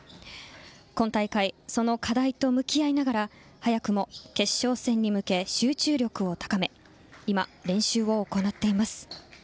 今大会その課題と向き合いながら早くも決勝戦に向け集中力を高め今、練習を行っています。